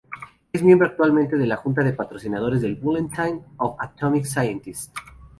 Es miembro actualmente de la junta de patrocinadores del "Bulletin of the Atomic Scientists".